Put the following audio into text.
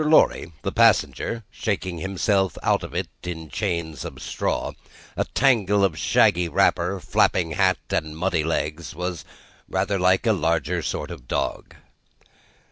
Lorry, the passenger, shaking himself out of it in chains of straw, a tangle of shaggy wrapper, flapping hat, and muddy legs, was rather like a larger sort of dog.